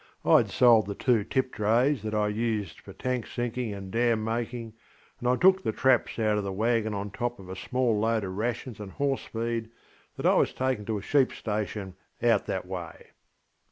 IŌĆÖd sold the two tip drays that I used for tank sinking and dam making, and I took the traps out in the waggon on top of a small load of rations and horse feed that I was taking to a sheep station out that way.